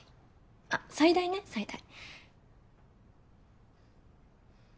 あっ最大ね最大。